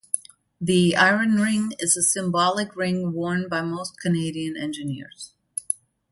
The Iron Ring is a symbolic ring worn by most Canadian engineers.